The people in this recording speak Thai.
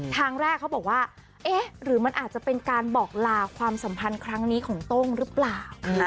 ทางแรกเขาบอกว่าเอ๊ะหรือมันอาจจะเป็นการบอกลาความสัมพันธ์ครั้งนี้ของโต้งหรือเปล่า